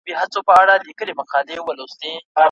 ټکي لوېږي د ورورۍ پر کړۍ ورو ورو